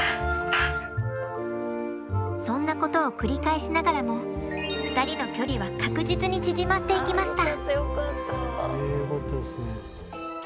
そんなことを繰り返しながらも２人の距離は確実に縮まっていきました。